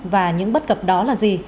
và những bất cập đó là gì